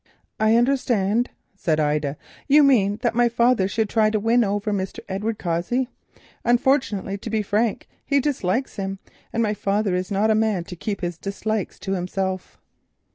"I understand," said Ida. "You mean that my father should try to win over Mr. Edward Cossey. Unfortunately, to be frank, he dislikes him, and my father is not a man to keep his dislikes to himself."